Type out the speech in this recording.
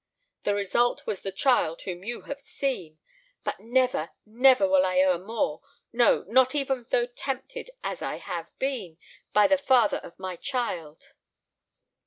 The result was the child whom you have seen. But never, never will I err more—no, not even though tempted, as I have been, by the father of my child!